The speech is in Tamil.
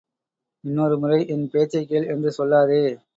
இன்னொரு முறை என் பேச்சைக் கேள் என்று சொல்லாதே!